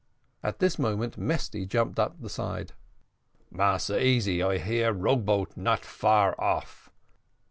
At this moment Mesty jumped up the side. "Massa Easy, I hear row boat not far off."